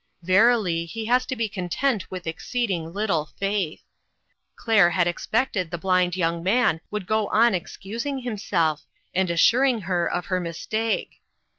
Verily, He has to be content with exceeding little faith ! Claire had expected the blind young man would go on excus ing himself, and assuring her of her mis take.